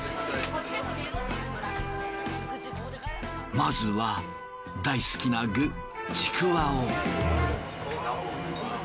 まずは大好きな具ちくわを。